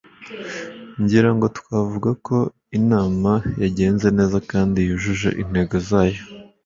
ngira ngo twavuga ko inama yagenze neza kandi yujuje intego zayo